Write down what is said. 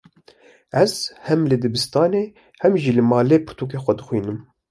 Ez hem li dibistanê, hem jî li malê pirtûkên xwe dixwînim.